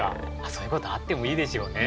そういうことあってもいいですよね。